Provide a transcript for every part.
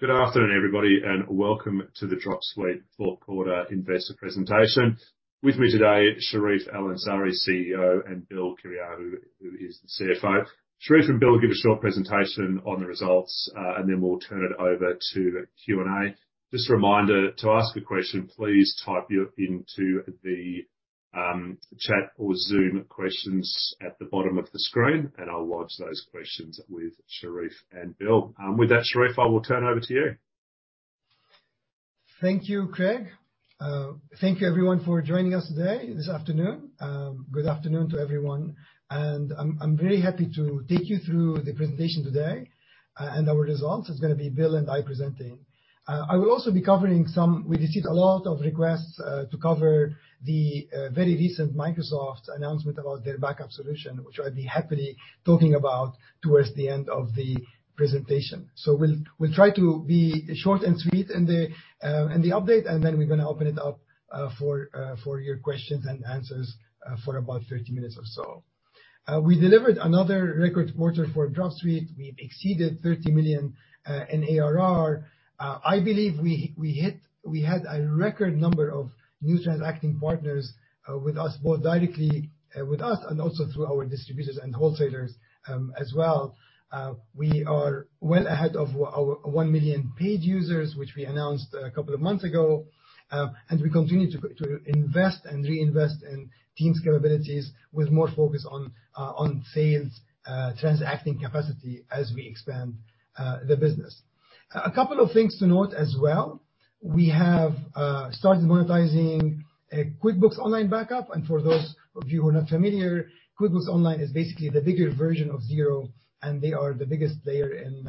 Good afternoon, everybody, welcome to the Dropsuite fourth quarter investor presentation. With me today, Charif El-Ansari, CEO, and Bill Kyriacou, who is the CFO. Charif and Bill will give a short presentation on the results, then we'll turn it over to the Q&A. Just a reminder, to ask a question, please type into the chat or Zoom questions at the bottom of the screen, I'll lodge those questions with Charif and Bill. With that, Charif, I will turn over to you. Thank you, Craig. Thank you everyone for joining us today, this afternoon. Good afternoon to everyone. I'm very happy to take you through the presentation today, and our results. It's gonna be Bill and I presenting. I will also be covering we received a lot of requests to cover the very recent Microsoft announcement about their backup solution, which I'll be happily talking about towards the end of the presentation. We'll try to be short and sweet in the update, and then we're gonna open it up for your questions and answers for about 30 minutes or so. We delivered another record quarter for Dropsuite. We've exceeded 30 million in ARR. I believe we had a record number of new transacting partners, with us, both directly, with us, and also through our distributors and wholesalers, as well. We are well ahead of our 1 million paid users, which we announced a couple of months ago. We continue to invest and reinvest in teams' capabilities, with more focus on sales, transacting capacity as we expand the business. A couple of things to note as well, we have started monetizing QuickBooks Online Backup. For those of you who are not familiar, QuickBooks Online is basically the bigger version of Xero, and they are the biggest player in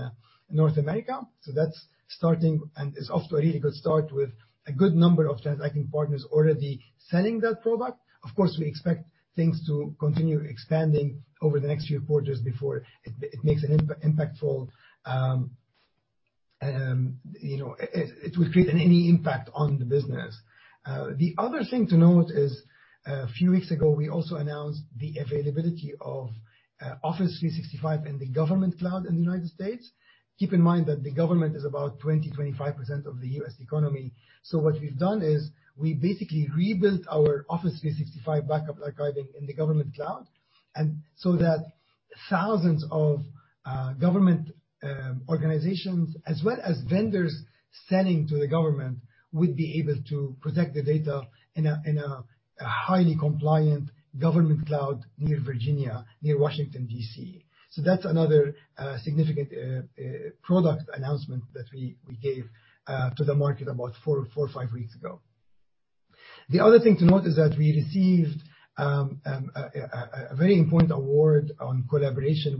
North America. That's starting, and it's off to a really good start, with a good number of transacting partners already selling that product. Of course, we expect things to continue expanding over the next few quarters before it makes an impactful. You know, it will create any impact on the business. The other thing to note is, a few weeks ago, we also announced the availability of Office 365 in the GovCloud in the United States. Keep in mind that the government is about 20%-25% of the U.S. economy. What we've done is, we basically rebuilt our Office 365 Backup archiving in the GovCloud, and so that thousands of government organizations, as well as vendors selling to the government, would be able to protect the data in a highly compliant GovCloud near Virginia, near Washington, D.C. That's another significant product announcement that we gave to the market about four or five weeks ago. The other thing to note is that we received a very important award on collaboration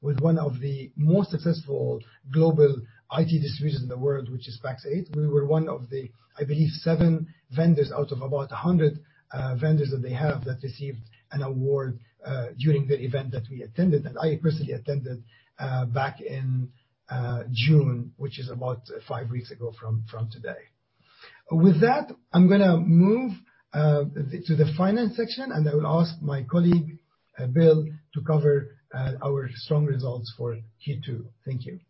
with one of the most successful global IT distributors in the world, which is Pax8. We were one of the, I believe, seven vendors out of about 100 vendors that they have, that received an award during the event that we attended, that I personally attended back in June, which is about five weeks ago from today. With that, I'm gonna move to the finance section, and I will ask my colleague, Bill, to cover our strong results for Q2. Thank you.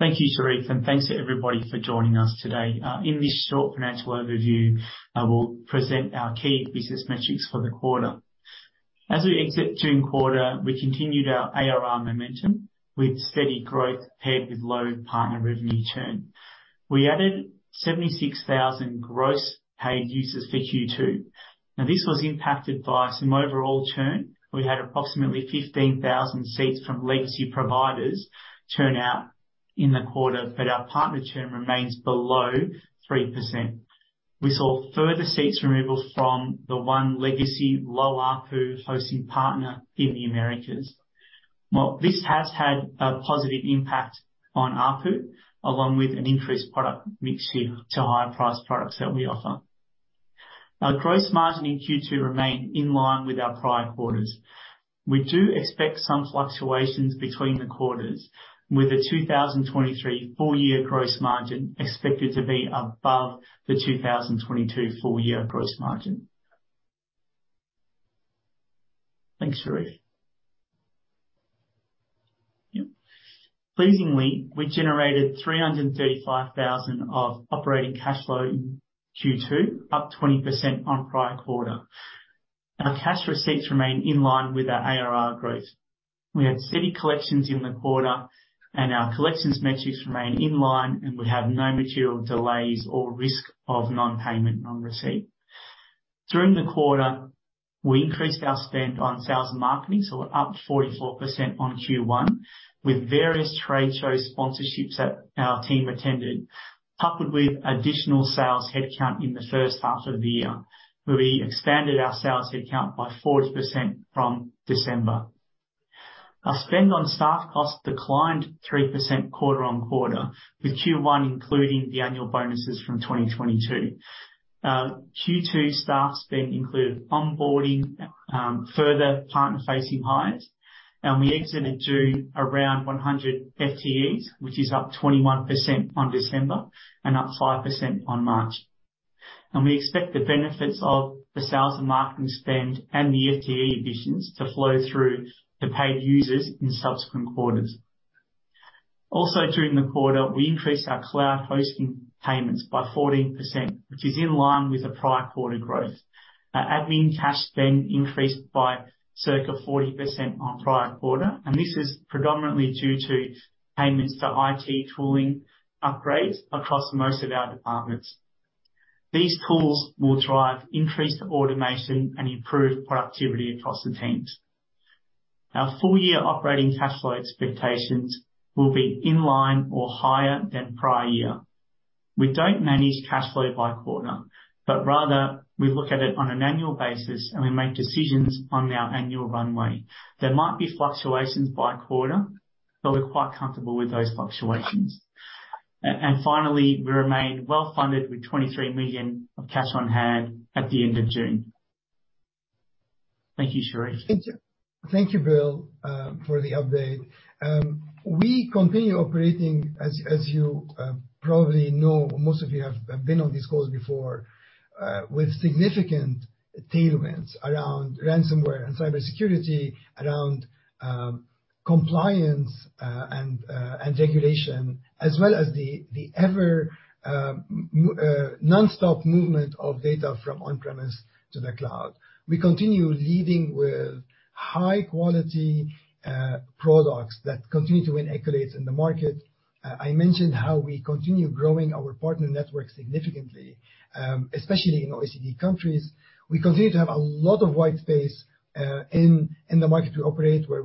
Thank you, Charif, and thanks to everybody for joining us today. In this short financial overview, I will present our key business metrics for the quarter. As we exit June quarter, we continued our ARR momentum with steady growth paired with low partner revenue churn. We added 76,000 gross paid users for Q2. This was impacted by some overall churn. We had approximately 15,000 seats from legacy providers churn out in the quarter, but our partner churn remains below 3%. We saw further seats removal from the one legacy low ARPU hosting partner in the Americas. This has had a positive impact on ARPU, along with an increased product mix shift to higher priced products that we offer. Our gross margin in Q2 remained in line with our prior quarters. We do expect some fluctuations between the quarters, with the 2023 full year gross margin expected to be above the 2022 full year gross margin. Thanks, Charif. Yep. Pleasingly, we generated 335,000 of operating cash flow in Q2, up 20% on prior quarter. Our cash receipts remain in line with our ARR growth. We had steady collections in the quarter, and our collections metrics remain in line, and we have no material delays or risk of non-payment on receipt. During the quarter, we increased our spend on sales and marketing, so we're up 44% on Q1, with various trade show sponsorships that our team attended, coupled with additional sales headcount in the first half of the year, where we expanded our sales headcount by 40% from December. Our spend on staff costs declined 3% quarter-on-quarter, with Q1 including the annual bonuses from 2022. Q2 staff spend included onboarding further partner-facing hires, and we exited to around 100 FTEs, which is up 21% on December, and up 5% on March. We expect the benefits of the sales and marketing spend and the FTE additions to flow through the paid users in subsequent quarters. Also, during the quarter, we increased our cloud hosting payments by 14%, which is in line with the prior quarter growth. Our admin cash spend increased by circa 40% on prior quarter, and this is predominantly due to payments to IT tooling upgrades across most of our departments. These tools will drive increased automation and improve productivity across the teams. Our full year operating cash flow expectations will be in line or higher than prior year. We don't manage cash flow by quarter, but rather we look at it on an annual basis, and we make decisions on our annual runway. There might be fluctuations by quarter, but we're quite comfortable with those fluctuations. Finally, we remain well-funded with 23 million of cash on hand at the end of June. Thank you, Charif. Thank you, Bill, for the update. We continue operating as you probably know, most of you have been on these calls before, with significant tailwinds around ransomware and cybersecurity, around compliance, and regulation, as well as the ever nonstop movement of data from on-premise to the cloud. We continue leading with high quality products that continue to win accolades in the market. I mentioned how we continue growing our partner network significantly, especially in OECD countries. We continue to have a lot of white space in the market we operate, where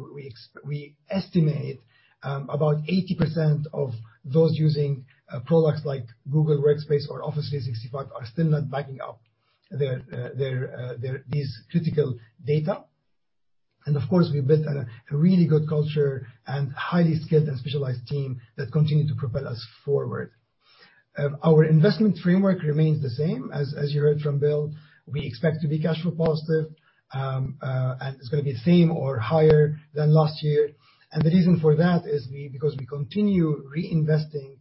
we estimate about 80% of those using products like Google Workspace or Office 365 are still not backing up their this critical data. Of course, we built a really good culture and highly skilled and specialized team that continue to propel us forward. Our investment framework remains the same. As you heard from Bill, we expect to be cash flow positive, and it's gonna be the same or higher than last year. The reason for that is because we continue reinvesting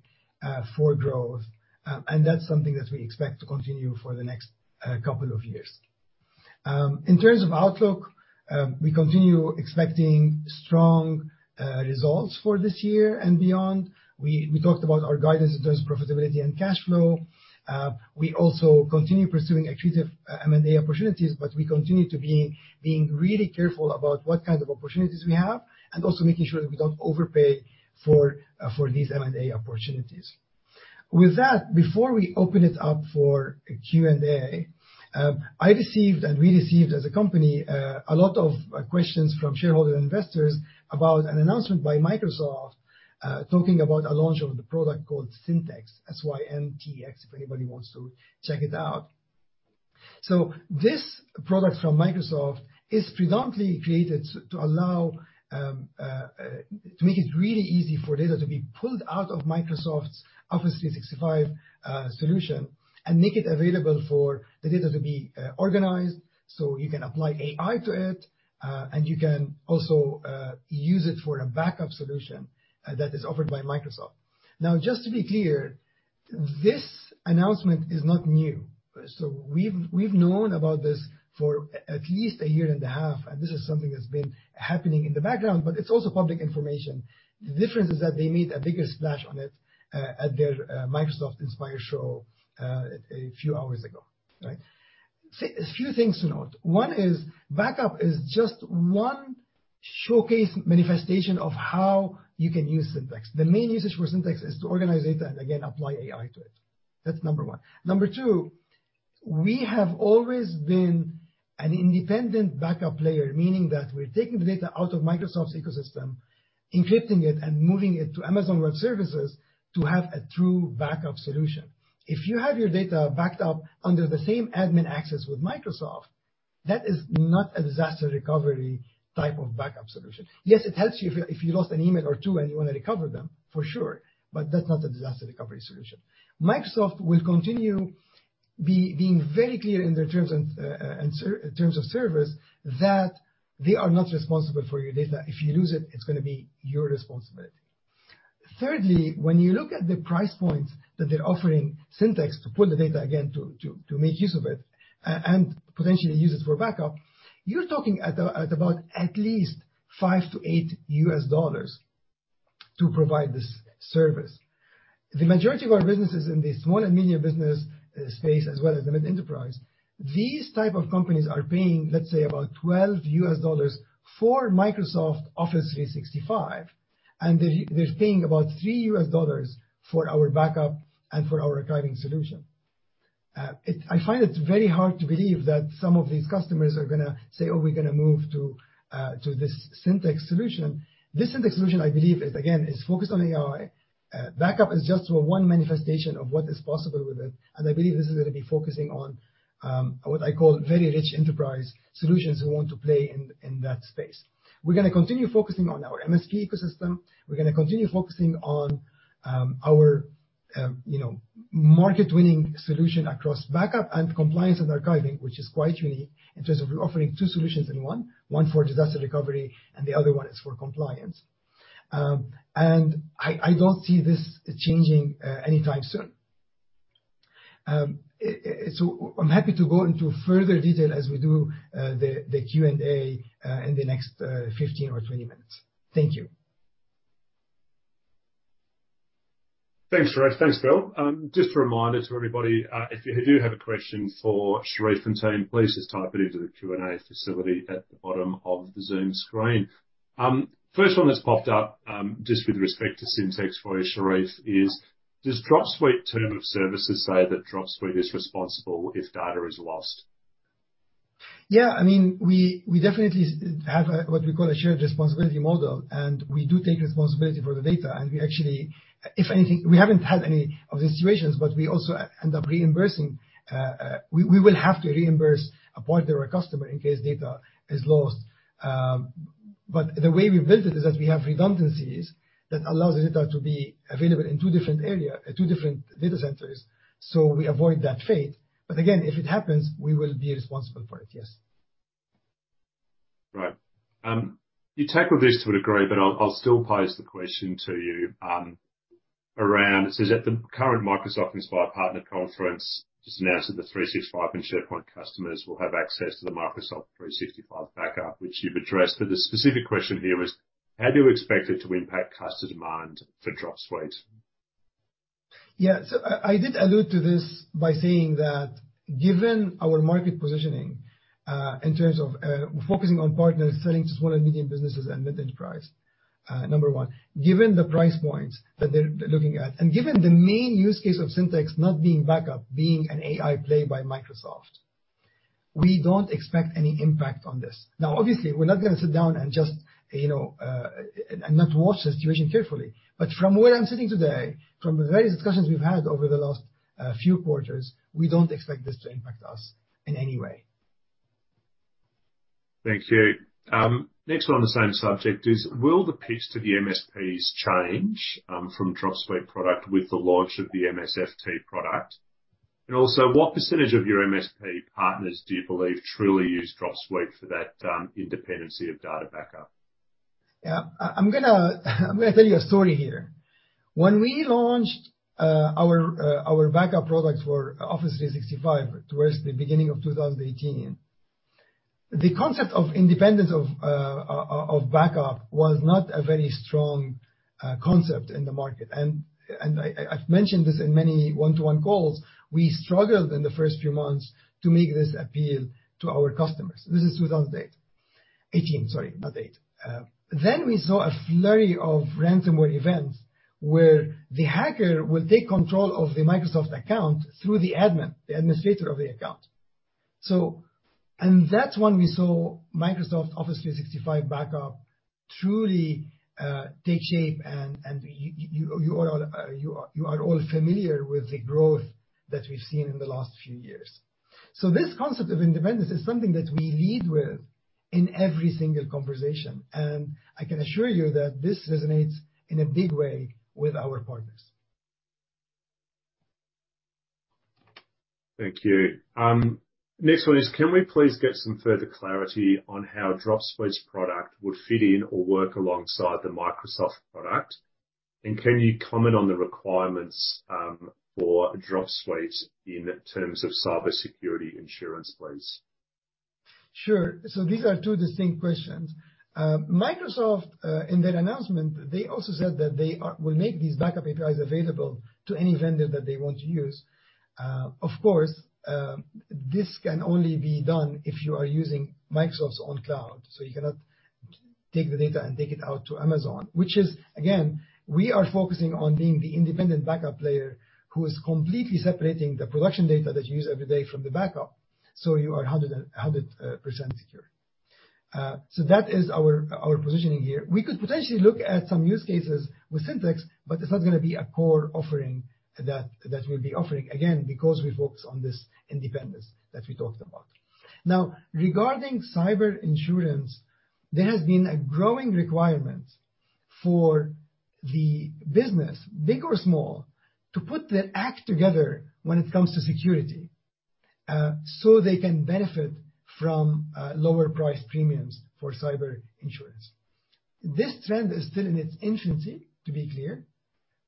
for growth, and that's something that we expect to continue for the next couple of years. In terms of outlook, we continue expecting strong results for this year and beyond. We talked about our guidance in terms of profitability and cash flow. We also continue pursuing accretive M&A opportunities, but we continue being really careful about what kind of opportunities we have, and also making sure that we don't overpay for these M&A opportunities. With that, before we open it up for Q&A, I received, and we received as a company, a lot of questions from shareholder investors about an announcement by Microsoft, talking about a launch of the product called Syntex, S-Y-N-T-E-X, if anybody wants to check it out. This product from Microsoft is predominantly created to allow, to make it really easy for data to be pulled out of Microsoft's Office 365 solution, and make it available for the data to be organized, so you can apply AI to it, and you can also use it for a backup solution that is offered by Microsoft. Just to be clear, this announcement is not new. We've known about this for at least a 1.5 years, and this is something that's been happening in the background, but it's also public information. The difference is that they made a bigger splash on it at their Microsoft Inspire show a few hours ago, right? A few things to note. One is, backup is just one showcase manifestation of how you can use Syntex. The main usage for Syntex is to organize data, and again, apply AI to it. That's number one. Number two, we have always been an independent backup player, meaning that we're taking the data out of Microsoft's ecosystem, encrypting it, and moving it to Amazon Web Services to have a true backup solution. If you have your data backed up under the same admin access with Microsoft, that is not a disaster recovery type of backup solution. Yes, it helps you if you lost an email or two, and you want to recover them, for sure, but that's not a disaster recovery solution. Microsoft will continue being very clear in their terms and in terms of service, that they are not responsible for your data. If you lose it's gonna be your responsibility. Thirdly, when you look at the price points that they're offering Microsoft Syntex to pull the data again to make use of it and potentially use it for backup, you're talking at about at least $5-$8 to provide this service. The majority of our businesses in the small and medium business space, as well as the mid-enterprise, these type of companies are paying, let's say, about $12 for Microsoft Office 365, and they're paying about $3 for our backup and for our archiving solution. I find it very hard to believe that some of these customers are gonna say, "Oh, we're gonna move to this Microsoft Syntex solution." This Microsoft Syntex solution, I believe, is again focused on AI. Backup is just one manifestation of what is possible with it, I believe this is gonna be focusing on what I call very rich enterprise solutions who want to play in that space. We're gonna continue focusing on our MSP ecosystem. We're gonna continue focusing on our, you know, market-winning solution across backup and compliance and archiving, which is quite unique in terms of offering two solutions in one: one for disaster recovery, and the other one is for compliance. I don't see this changing anytime soon. I'm happy to go into further detail as we do the Q&A in the next 15 or 20 minutes. Thank you. Thanks, Charif. Thanks, Bill. Just a reminder to everybody, if you do have a question for Charif and team, please just type it into the Q&A facility at the bottom of the Zoom screen. First one that's popped up, just with respect to Syntex for you, Charif, is: Does Dropsuite term of services say that Dropsuite is responsible if data is lost? Yeah, I mean, we definitely have a, what we call a shared responsibility model, and we do take responsibility for the data, and we actually, if anything, we haven't had any of the situations, but we also end up reimbursing, we will have to reimburse a partner or customer in case data is lost. The way we built it is that we have redundancies that allows the data to be available in two different area, two different data centers, so we avoid that fate. Again, if it happens, we will be responsible for it, yes. Right. you tackled this to a degree, but I'll still pose the question to you, around, it says that the current Microsoft Inspire Partner Conference just announced that the 365 and SharePoint customers will have access to the Microsoft 365 backup, which you've addressed. The specific question here is: How do you expect it to impact customer demand for Dropsuite? Yeah. I did allude to this by saying that, given our market positioning, in terms of focusing on partners selling to small and medium businesses and mid-enterprise. Number one, given the price points that they're looking at, and given the main use case of Syntex not being backup, being an AI play by Microsoft, we don't expect any impact on this. Now, obviously, we're not going to sit down and just, you know, and not watch the situation carefully. From where I'm sitting today, from the various discussions we've had over the last few quarters, we don't expect this to impact us in any way. Thank you. Next one on the same subject is: Will the pitch to the MSPs change from Dropsuite product with the launch of the MSFT product? Also, what percentage of your MSP partners do you believe truly use Dropsuite for that independency of data backup? I'm gonna tell you a story here. When we launched our backup products for Office 365 towards the beginning of 2018, the concept of independence of backup was not a very strong concept in the market. I've mentioned this in many one-to-one calls, we struggled in the first few months to make this appeal to our customers. This is 2008. 18, sorry, not 8. We saw a flurry of ransomware events where the hacker will take control of the Microsoft account through the admin, the administrator of the account. That's when we saw Microsoft Office 365 backup truly take shape, and you are all familiar with the growth that we've seen in the last few years. This concept of independence is something that we lead with in every single conversation, and I can assure you that this resonates in a big way with our partners. Thank you. next one is: Can we please get some further clarity on how Dropsuite's product would fit in or work alongside the Microsoft product? Can you comment on the requirements for Dropsuite in terms of cybersecurity insurance, please? Sure. These are two distinct questions. Microsoft in their announcement, they also said that they will make these backup APIs available to any vendor that they want to use. Of course, this can only be done if you are using Microsoft's own cloud, so you cannot take the data and take it out to Amazon, which is, again, we are focusing on being the independent backup player. Who is completely separating the production data that you use every day from the backup, so you are 100% secure. That is our positioning here. We could potentially look at some use cases with Syntex, but it's not going to be a core offering that we'll be offering, again, because we focus on this independence that we talked about. Now, regarding Cyber Insurance, there has been a growing requirement for the business, big or small, to put their act together when it comes to security, so they can benefit from lower price premiums for Cyber Insurance. This trend is still in its infancy, to be clear,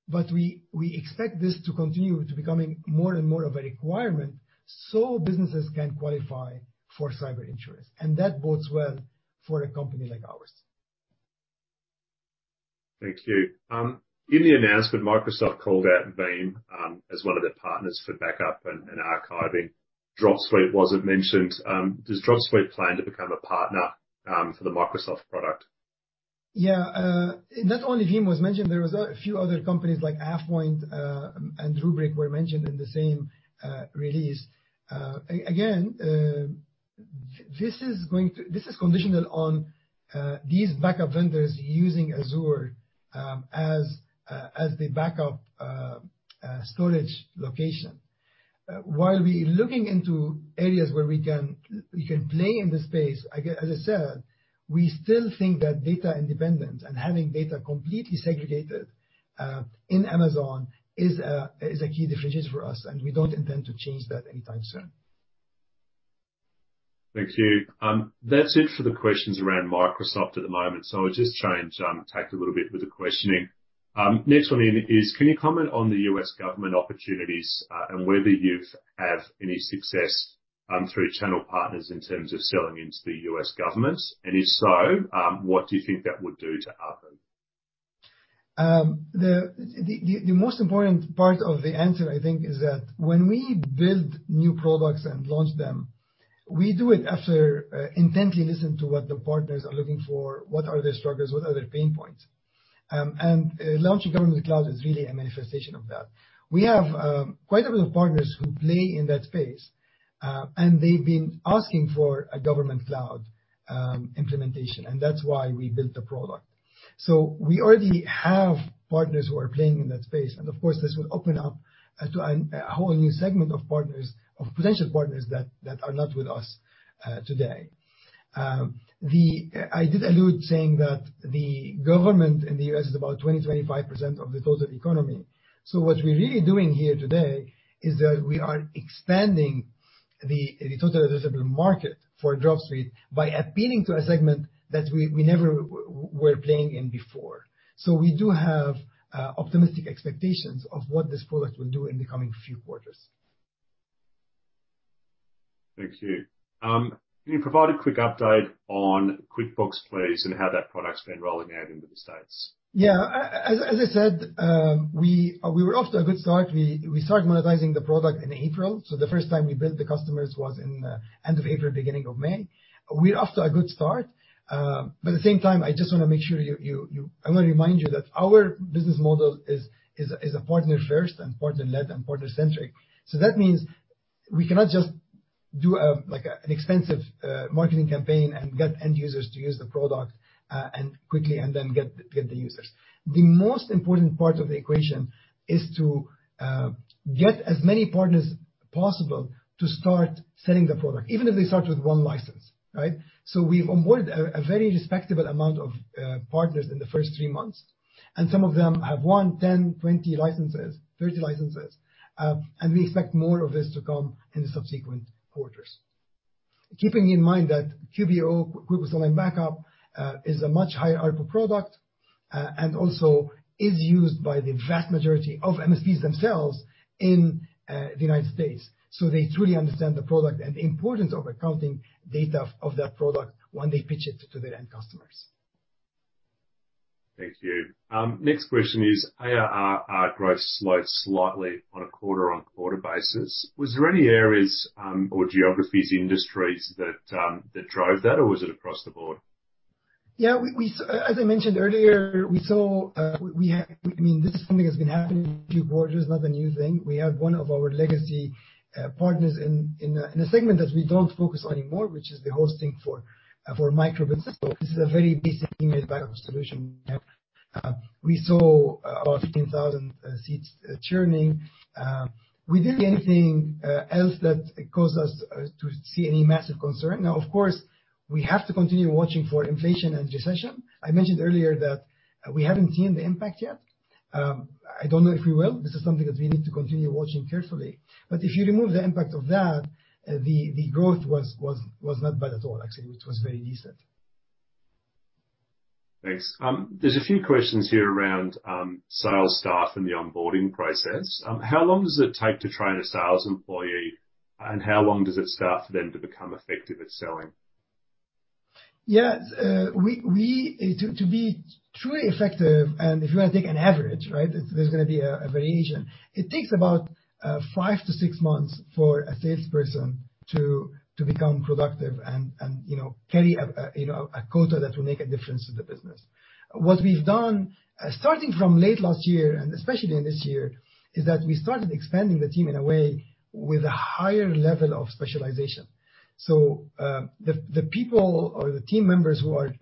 but we expect this to continue to becoming more and more of a requirement, so businesses can qualify for Cyber Insurance. That bodes well for a company like ours. Thank you. In the announcement, Microsoft called out Veeam as one of their partners for backup and archiving. Dropsuite wasn't mentioned. Does Dropsuite plan to become a partner for the Microsoft product? Not only Veeam was mentioned, there was a few other companies like AvePoint and Rubrik were mentioned in the same release. Again, this is conditional on these backup vendors using Azure as the backup storage location. While we looking into areas where we can play in the space, again, as I said, we still think that data independence and having data completely segregated in Amazon is a key differentiator for us, and we don't intend to change that anytime soon. Thank you. That's it for the questions around Microsoft at the moment, so I'll just change tact a little bit with the questioning. Next one is, can you comment on the U.S. government opportunities, and whether you've have any success, through channel partners in terms of selling into the U.S. government? If so, what do you think that would do to ARPU? The most important part of the answer, I think, is that when we build new products and launch them, we do it after intently listening to what the partners are looking for, what are their struggles, what are their pain points? Launching GovCloud is really a manifestation of that. We have quite a bit of partners who play in that space, and they've been asking for a GovCloud implementation, and that's why we built the product. We already have partners who are playing in that space, and of course, this will open up to a whole new segment of partners, of potential partners, that are not with us today. I did allude, saying that the government in the U.S. is about 20%-25% of the total economy. What we're really doing here today is that we are expanding the total addressable market for Dropsuite by appealing to a segment that we never were playing in before. We do have optimistic expectations of what this product will do in the coming few quarters. Thank you. Can you provide a quick update on QuickBooks, please, and how that product's been rolling out into the States? As I said, we were off to a good start. We started monetizing the product in April. The first time we billed the customers was in end of April, beginning of May. We're off to a good start. At the same time, I just wanna make sure you, I wanna remind you that our business model is a partner first, and partner-led, and partner-centric. That means we cannot just do like an expensive marketing campaign and get end users to use the product quickly, and then get the users. The most important part of the equation is to get as many partners possible to start selling the product, even if they start with one license, right? We've onboarded a very respectable amount of partners in the first three months. Some of them have 1, 10, 20 licenses, 30 licenses. We expect more of this to come in the subsequent quarters. Keeping in mind that QBO, QuickBooks Online Backup, is a much higher ARPU product, and also is used by the vast majority of MSPs themselves in the United States. They truly understand the product and the importance of accounting data of that product when they pitch it to their end customers. Thank you. Next question is, ARR growth slowed slightly on a quarter-on-quarter basis. Was there any areas, or geographies, industries that drove that, or was it across the board? Yeah, we, as I mentioned earlier, we saw, we had. I mean, this is something that's been happening in a few quarters, not a new thing. We have one of our legacy partners in a segment that we don't focus on anymore, which is the hosting for micro businesses. This is a very basic solution. We saw about 15,000 seats churning. We didn't see anything else that caused us to see any massive concern. Of course, we have to continue watching for inflation and recession. I mentioned earlier that we haven't seen the impact yet. I don't know if we will. This is something that we need to continue watching carefully, if you remove the impact of that, the growth was not bad at all, actually. It was very decent. Thanks. There's a few questions here around sales staff and the onboarding process. How long does it take to train a sales employee, and how long does it take staff for them to become effective at selling? To be truly effective, and if you want to take an average, right, there's going to be a variation, it takes about 5 months-6 months for a salesperson to become productive and, you know, carry a, you know, a quota that will make a difference to the business. What we've done, starting from late last year, and especially in this year, is that we started expanding the team in a way with a higher level of specialization. The people or the team members who are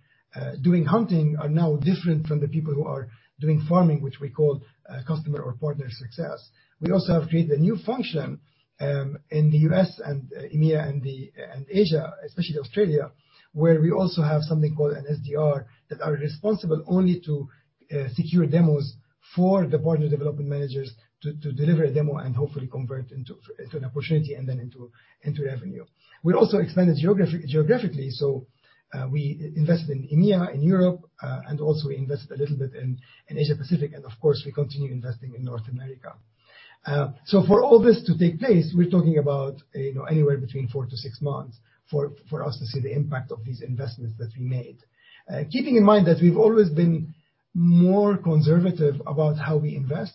doing hunting are now different from the people who are doing farming, which we call customer or partner success. We also have created a new function in the U.S. and EMEA and Asia, especially Australia, where we also have something called an SDR. That are responsible only to secure demos for the partner development managers to deliver a demo and hopefully convert into an opportunity and then into revenue. We also expanded geographically, we invested in EMEA, in Europe, and also we invested a little bit in Asia Pacific, and of course, we continue investing in North America. For all this to take place, we're talking about, you know, anywhere between 4 months-6 months for us to see the impact of these investments that we made. Keeping in mind that we've always been more conservative about how we invest,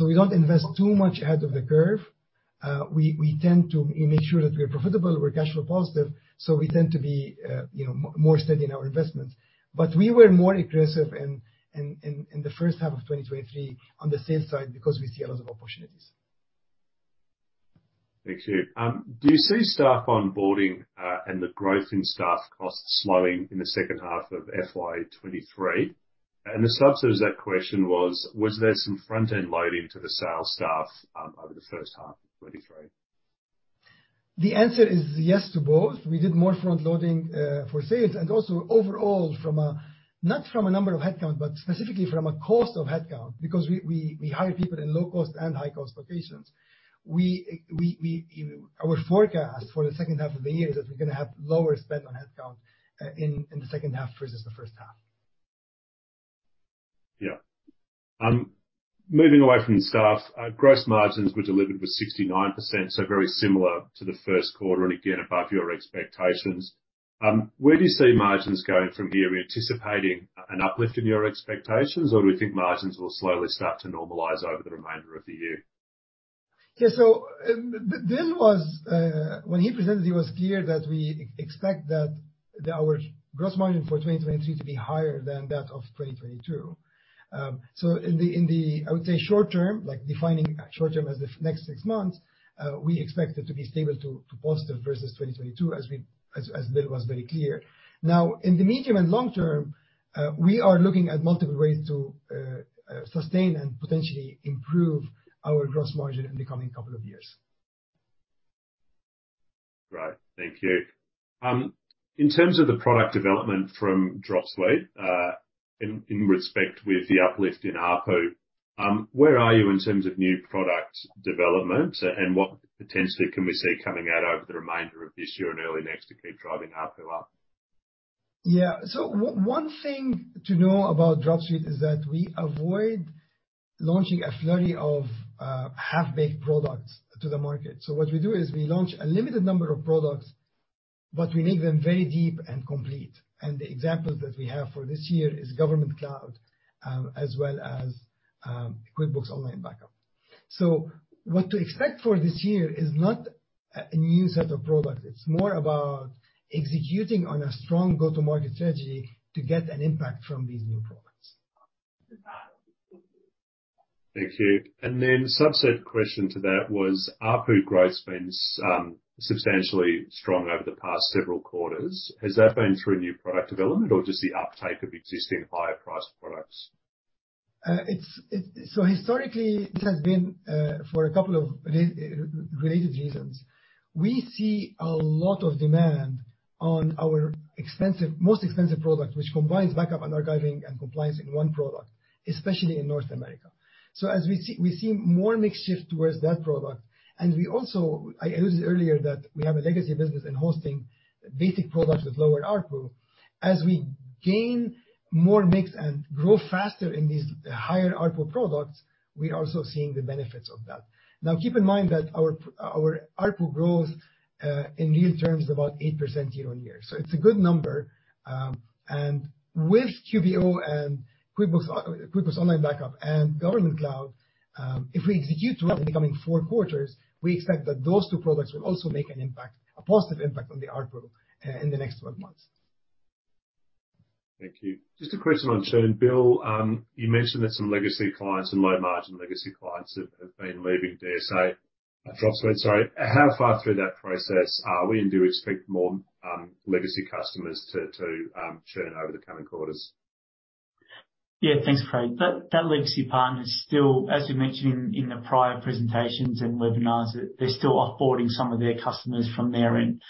we don't invest too much ahead of the curve. We tend to make sure that we're profitable, we're cash flow positive, we tend to be, you know, more steady in our investments. We were more aggressive in the first half of 2023 on the sales side because we see a lot of opportunities. Thank you. Do you see staff onboarding and the growth in staff costs slowing in the second half of FY 2023? The subset of that question was: Was there some front-end loading to the sales staff over the first half of 2023? The answer is yes to both. We did more front loading for sales, and also overall, not from a number of headcount, but specifically from a cost of headcount, because we hire people in low-cost and high-cost locations. Our forecast for the second half of the year is that we're going to have lower spend on headcount in the second half versus the first half. Yeah. Moving away from staff, gross margins were delivered with 69%, very similar to the first quarter and again, above your expectations. Where do you see margins going from here? Are you anticipating an uplift in your expectations, or do we think margins will slowly start to normalize over the remainder of the year? Yeah. Bill was, when he presented, he was clear that we expect that our gross margin for 2023 to be higher than that of 2022. In the, I would say short term, like defining short term as the next 6 months, we expect it to be stable to positive versus 2022 as Bill was very clear. In the medium and long term, we are looking at multiple ways to sustain and potentially improve our gross margin in the coming couple of years. Great. Thank you. In terms of the product development from Dropsuite, in respect with the uplift in ARPU, where are you in terms of new product development, and what potentially can we see coming out over the remainder of this year and early next to keep driving ARPU up? Yeah. One thing to know about Dropsuite is that we avoid launching a flurry of half-baked products to the market. What we do is we launch a limited number of products, but we make them very deep and complete. The examples that we have for this year is GovCloud, as well as, QuickBooks Online Backup. What to expect for this year is not a new set of products. It's more about executing on a strong go-to-market strategy to get an impact from these new products. Thank you. Subset question to that was, ARPU growth's been substantially strong over the past several quarters. Has that been through new product development or just the uptake of existing higher priced products? Historically, it has been for a couple of related reasons. We see a lot of demand on our expensive, most expensive product, which combines backup, and archiving, and compliance in one product, especially in North America. As we see more mix shift towards that product, and we also, I used it earlier that we have a legacy business in hosting basic products with lower ARPU. As we gain more mix and grow faster in these higher ARPU products, we're also seeing the benefits of that. Now, keep in mind that our ARPU growth in real terms, is about 8% year-on-year, so it's a good number. With QBO and QuickBooks Online Backup and GovCloud, if we execute well in the coming four quarters, we expect that those two products will also make an impact, a positive impact on the ARPU, in the next 12 months. Thank you. Just a question on churn. Bill, you mentioned that some legacy clients and low-margin legacy clients have been leaving Dropsuite, sorry. How far through that process are we, and do we expect more legacy customers to churn over the coming quarters? Yeah, thanks, Craig. That legacy partner is still, as you mentioned in the prior presentations and webinars, that they're still offboarding some of their customers from their end.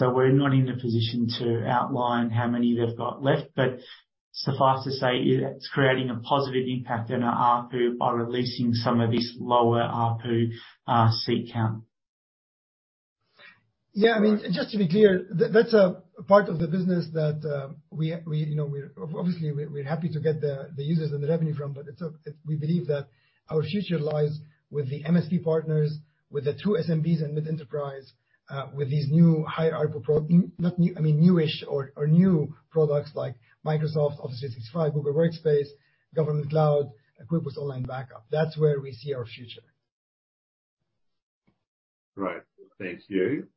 We're not in a position to outline how many they've got left, but suffice to say, it's creating a positive impact on our ARPU by releasing some of this lower ARPU seat count. Yeah, I mean, just to be clear, that's a part of the business that, we, you know, we're obviously, we're happy to get the users and the revenue from, but we believe that our future lies with the MSP partners, with the true SMBs and with enterprise, with these new higher ARPU not new, I mean, new-ish or new products like Microsoft Office 365, Google Workspace, GovCloud, QuickBooks Online Backup. That's where we see our future. Great. Thank you.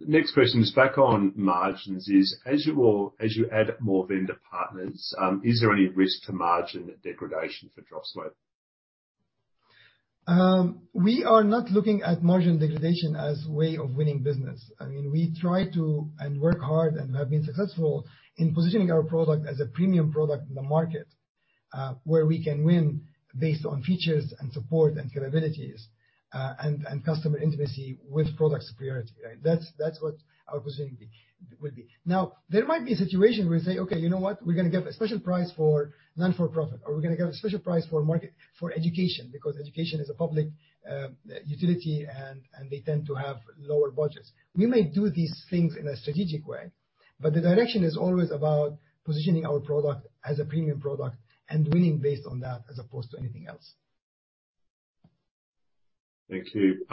Next question is back on margins is, as you add more vendor partners, is there any risk to margin degradation for Dropsuite? We are not looking at margin degradation as a way of winning business. I mean, we try to, and work hard, and have been successful in positioning our product as a premium product in the market, where we can win based on features, and support, and capabilities, and customer intimacy with product superiority, right? That's what our positioning will be. Now, there might be a situation where we say, "Okay, you know what? We're gonna give a special price for not-for-profit, or we're gonna give a special price for education," because education is a public utility, and they tend to have lower budgets. We may do these things in a strategic way, but the direction is always about positioning our product as a premium product and winning based on that as opposed to anything else. Thank you.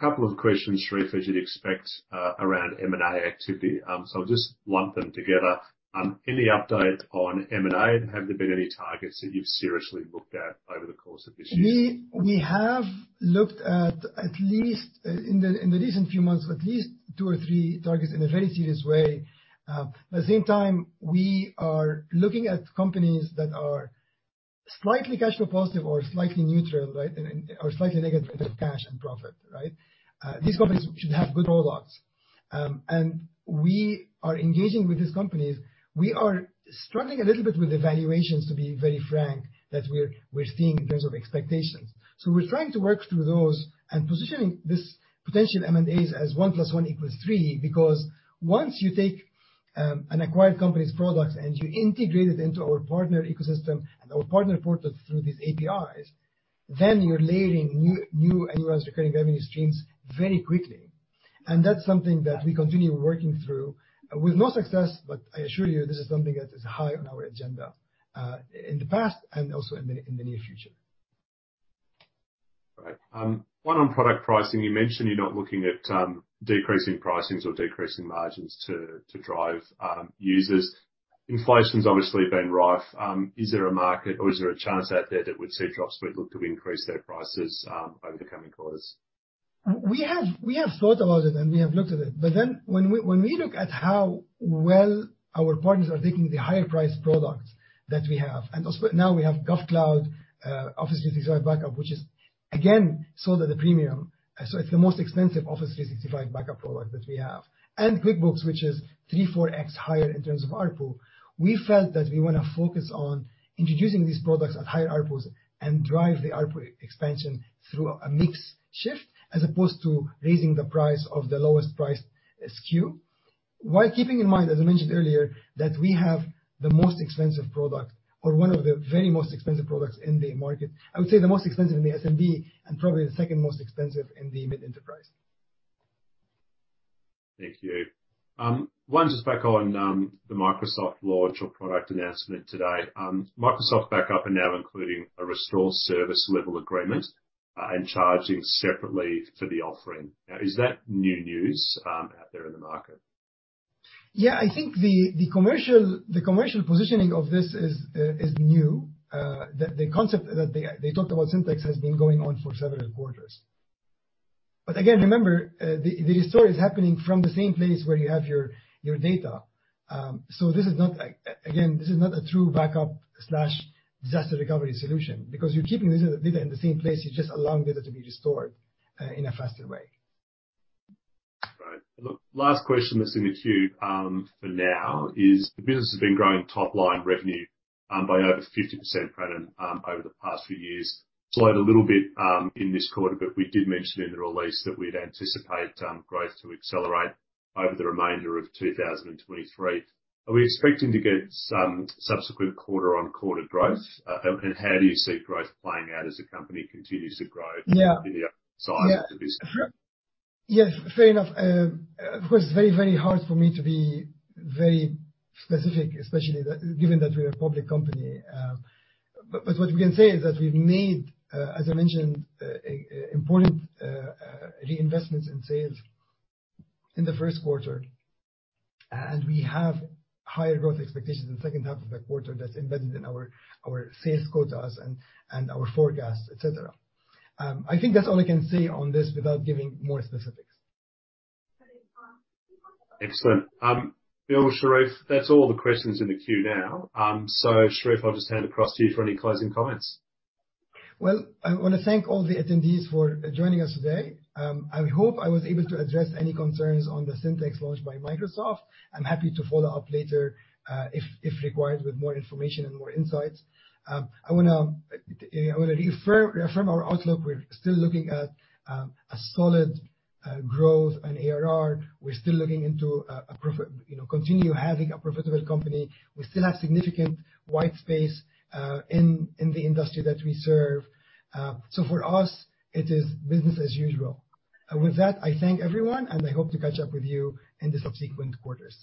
Couple of questions, Charif, as you'd expect, around M&A activity. I'll just lump them together. Any update on M&A, and have there been any targets that you've seriously looked at over the course of this year? We have looked at least in the recent few months, at least two or three targets in a very serious way. At the same time, we are looking at companies that are slightly cash flow positive or slightly neutral, right, and, or slightly negative cash and profit, right? These companies should have good roll-offs. And we are engaging with these companies. We are struggling a little bit with the valuations, to be very frank, that we're seeing in terms of expectations. We're trying to work through those and positioning this potential M&As as 1+1=3, because once you take an acquired company's products and you integrate it into our partner ecosystem and our partner portal through these APIs, then you're layering new annual recurring revenue streams very quickly. That's something that we continue working through with no success, but I assure you, this is something that is high on our agenda, in the past and also in the, in the near future. Right. One on product pricing. You mentioned you're not looking at decreasing pricings or decreasing margins to drive users. Inflation's obviously been rife. Is there a market or is there a chance out there that we'd see Dropsuite look to increase their prices over the coming quarters? We have thought about it, and we have looked at it. When we look at how well our partners are taking the higher priced products that we have, and also now we have GovCloud, Office 365 backup, which is again, sold at a premium. It's the most expensive Office 365 backup product that we have. QuickBooks, which is 3x, 4x higher in terms of ARPU, we felt that we wanna focus on introducing these products at higher ARPUs, and drive the ARPU expansion through a mix shift, as opposed to raising the price of the lowest priced SKU. Keeping in mind, as I mentioned earlier, that we have the most expensive product, or one of the very most expensive products in the market. I would say the most expensive in the SMB, and probably the second most expensive in the mid-enterprise. Thank you. One, just back on the Microsoft launch or product announcement today. Microsoft Backup are now including a restore service level agreement, and charging separately for the offering. Now, is that new news out there in the market? Yeah, I think the commercial positioning of this is new. The concept that they talked about Syntex has been going on for several quarters. Again, remember, the restore is happening from the same place where you have your data. This is not like. Again, this is not a true backup/disaster recovery solution, because you're keeping the data in the same place, you're just allowing data to be restored in a faster way. Right. Look, last question that's in the queue for now is, the business has been growing top line revenue by over 50% revenue, over the past few years. Slowed a little bit in this quarter, but we did mention in the release that we'd anticipate growth to accelerate over the remainder of 2023. Are we expecting to get some subsequent quarter-on-quarter growth? How do you see growth playing out as the company continues to grow? Yeah. In the other sides of the business? Yes, fair enough. Of course, it's very, very hard for me to be very specific, especially that, given that we're a public company. What we can say is that we've made, as I mentioned, important reinvestments in sales in the first quarter, and we have higher growth expectations in the second half of the quarter that's embedded in our sales quotas and our forecasts, et cetera. I think that's all I can say on this without giving more specifics. Excellent. well, Charif, that's all the questions in the queue now. Charif, I'll just hand across to you for any closing comments. Well, I wanna thank all the attendees for joining us today. I would hope I was able to address any concerns on the Microsoft Syntex launch by Microsoft. I'm happy to follow up later, if required, with more information and more insights. I wanna refer, affirm our outlook. We're still looking at a solid growth on ARR. We're still looking into a profit, you know, continue having a profitable company. We still have significant white space in the industry that we serve. For us, it is business as usual. With that, I thank everyone, and I hope to catch up with you in the subsequent quarters.